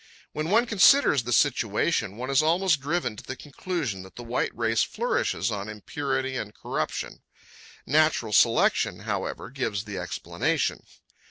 When one considers the situation, one is almost driven to the conclusion that the white race flourishes on impurity and corruption. Natural selection, however, gives the explanation.